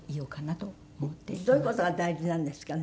どういう事が大事なんですかね。